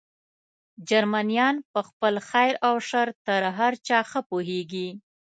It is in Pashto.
جرمنیان په خپل خیر او شر تر هر چا ښه پوهېږي.